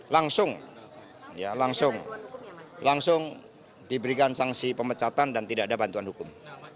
langsung ya langsung langsung diberikan sanksi pemecatan dan tidak ada bantuan hukum